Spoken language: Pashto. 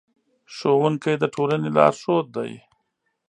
ښوونکي د ټولنې لارښود دي.